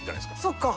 そっか。